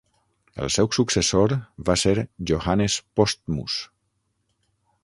El seu successor va ser Johannes Postmus.